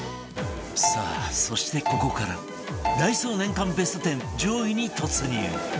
さあそしてここからダイソー年間ベスト１０上位に突入